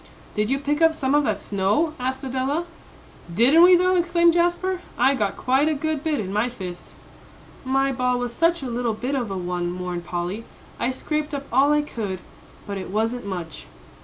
"Did you pick up some of that snow?" asked Adela. "Didn't we, though!" exclaimed Jasper. "I got quite a good bit in my fist." "My ball was such a little bit of a one," mourned Polly; "I scraped up all I could, but it wasn't much."